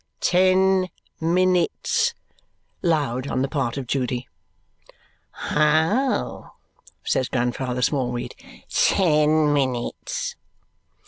"Ten minutes." (Loud on the part of Judy.) "Ho!" says Grandfather Smallweed. "Ten minutes."